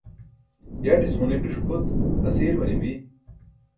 yaṭis ġunikiṣ phut asiir manibi